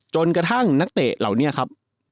จนกระทั่งนักเตะเหล่านี้ครับ